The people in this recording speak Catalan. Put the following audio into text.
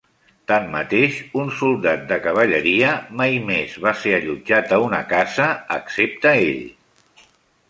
Tanmateix, un soldat de cavalleria mai més va ser allotjat a una casa excepte ell.